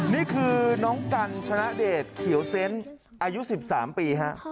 นี่คือน้องกัญชนะเดชเขียวเซนต์อายุ๑๓ปีฮะ